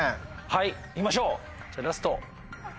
はいいきましょうラスト。